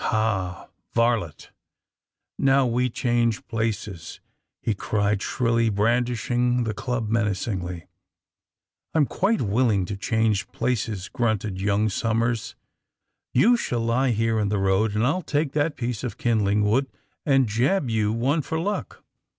^^Ha, varlet! Now we change places!" he cried shrilly, brandishing the club menacingly. '^I'm quite willing to change places,'' grunted young Somers. ^^You shall lie here in the road and I'll take that piece of kindling wood and jab you one for luck.'